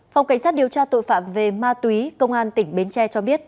phòng cảnh sát điều tra tội phạm về ma túy công an tỉnh bến tre cho biết